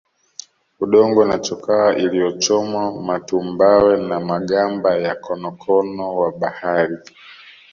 Udongo na chokaa iliyochomwa matumbawe na magamba ya konokono wa bahari